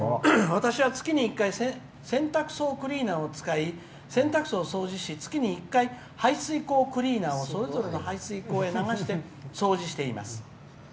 私は月二１回洗濯槽クリーナーを使い洗濯槽を掃除し月に１回排水溝クリーナーをそれぞれの排水溝へ流して掃除しています」。